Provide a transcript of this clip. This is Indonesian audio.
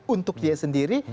untuk dia sendiri